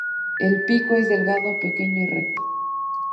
El pico es delgado, pequeño y recto.